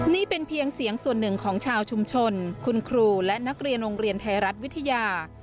นี่เป็นเพียงเสียงส่วนหนึ่งของชาวชุมชนคุณครูและนักเรียนโรงเรียนไทยรัฐวิทยา